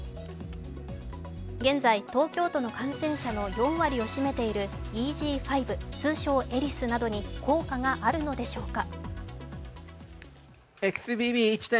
現在、東京都の感染者の４割を占めているＥＧ．５、通称エリスなどに効果があるのでしょうか？